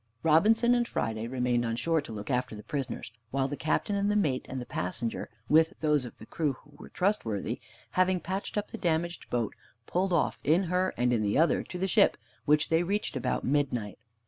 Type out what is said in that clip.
Robinson and Friday remained on shore to look after the prisoners, while the Captain and the mate and the passenger, with those of the crew who were trustworthy, having patched up the damaged boat, pulled off in her and in the other to the ship, which they reached about midnight.